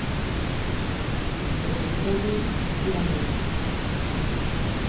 Do Concello exclusivamente.